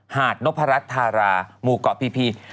หาดนพรัชธาราหมู่เกาะพี